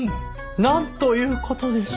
なんという事でしょう。